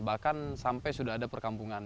bahkan sampai sudah ada perkampungan